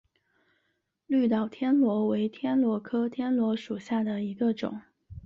绿岛天螺为天螺科天螺属下的一个种。